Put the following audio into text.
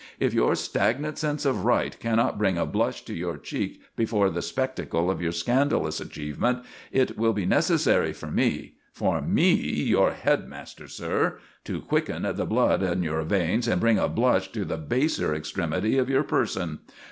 "If your stagnant sense of right cannot bring a blush to your cheek before the spectacle of your scandalous achievement, it will be necessary for me for me, your head master, sir to quicken the blood in your veins and bring a blush to the baser extremity of your person.